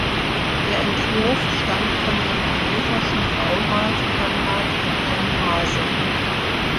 Der Entwurf stammt von dem hannoverschen Baurat Conrad Wilhelm Hase.